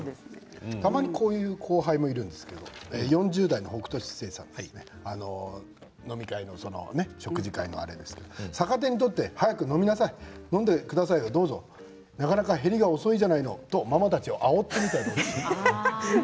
たまにこういう後輩がいますね、４０代の方飲み会のあれですけど逆手に取って早く飲みなさい飲んでくださいよ、どうぞなかなか減りが遅いじゃないのとママたちを、あおる。